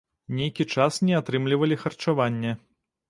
Нейкі час не атрымлівалі харчаванне.